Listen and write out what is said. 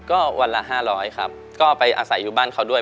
ก็วันละ๕๐๐ครับก็ไปอาศัยอยู่บ้านเขาด้วย